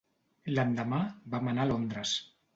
L'endemà, vam anar a Londres.